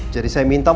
jadi saya minta muat